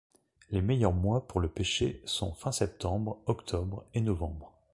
Les meilleurs mois pour le pêcher sont fin septembre, octobre et novembre.